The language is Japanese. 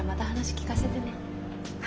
はい。